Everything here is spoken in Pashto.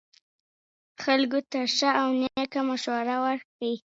خلکو ته ښه او نیکه مشوره ورکړئ.